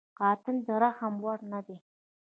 قاتل د رحم وړ نه دی